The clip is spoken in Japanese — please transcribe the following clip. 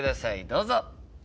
どうぞ。